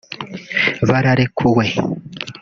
bararekuwe